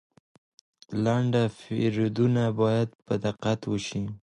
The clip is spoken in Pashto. لنډه پیرودنه باید په دقت وشي.